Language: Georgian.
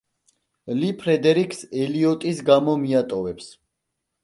ლი ფრედერიკს ელიოტის გამო მიატოვებს.